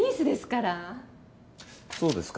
そうですか。